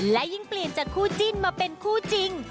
และยิ่งเปลี่ยนจากคู่จิ้นมาเป็นคู่จริง